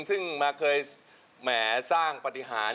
ที่มาเคยแมล์สร้างปฏิหาร